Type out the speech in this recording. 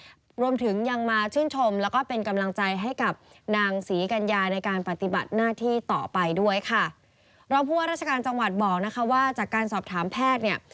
รวมถึงยังมาชื่นชมแล้วก็เป็นกำลังใจให้กับนางศรีกัญญาในการปฏิบัติหน้าที่ต่อไปด้วยค่ะรองผู้ว่าราชการจังหวัดบอกนะคะว่าจากการสอบถามแพทย์เนี่ย